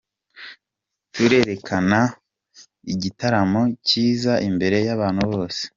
Tuzerekana igitaramo cyiza imbere y’abantu bose.